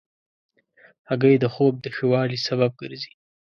هګۍ د خوب د ښه والي سبب ګرځي.